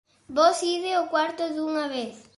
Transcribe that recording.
Vós ide ó cuarto dunha vez.